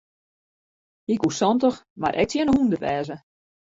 Hy koe santich mar ek tsjin de hûndert wêze.